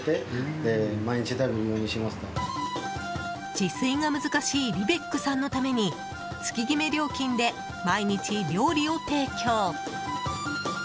自炊が難しいビベックさんのために月決め料金で毎日、料理を提供。